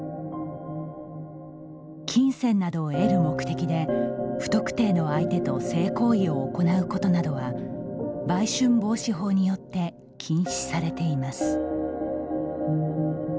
金銭などを得る目的で不特定の相手と性行為を行うことなどは売春防止法によって禁止されています。